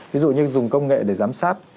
ví dụ như dùng công nghệ để giám sát